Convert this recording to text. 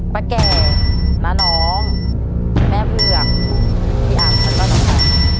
ปะแก่น้าน้องแม่เวือกพี่อำฉันก็จะ